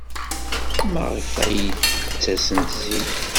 Maɣef ay d-ttasent zik?